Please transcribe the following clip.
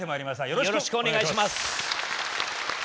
よろしくお願いします。